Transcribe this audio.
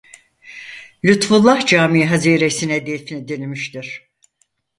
Lütfullah Camii haziresine defnedilmiştir.